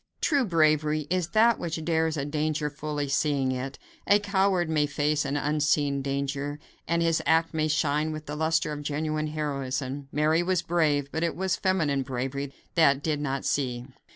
True bravery is that which dares a danger fully seeing it. A coward may face an unseen danger, and his act may shine with the luster of genuine heroism. Mary was brave, but it was the feminine bravery that did not see.